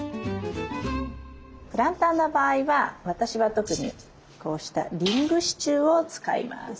プランターの場合は私は特にこうしたリング支柱を使います。